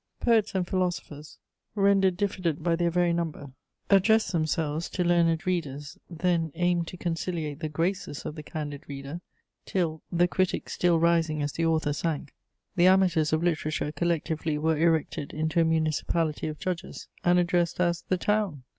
Poets and Philosophers, rendered diffident by their very number, addressed themselves to "learned readers;" then aimed to conciliate the graces of "the candid reader;" till, the critic still rising as the author sank, the amateurs of literature collectively were erected into a municipality of judges, and addressed as the Town!